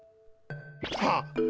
はっ！